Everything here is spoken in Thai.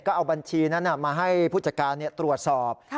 ก็เอาบัญชีนั้นมาให้ผู้จัดการตรวจสอบ